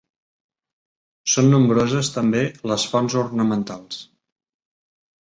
Són nombroses també les fonts ornamentals.